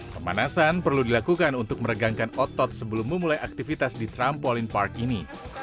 pemanasan perlu dilakukan untuk meregangkan otot sebelum memulai aktivitas di trampolin park ini